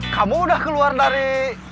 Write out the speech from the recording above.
kamu udah keluar dari